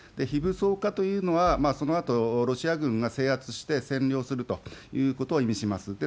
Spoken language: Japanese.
非武装化というのは、そのあとロシア軍が制圧して、占領するということを意味します。